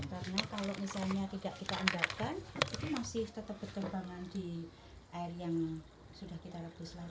karena kalau misalnya tidak kita endapkan itu masih tetap berkembangan di air yang sudah kita rebus lagi